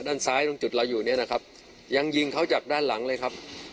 ด้านซ้ายตรงจุดเราอยู่เนี่ยนะครับยังยิงเขาจากด้านหลังเลยครับ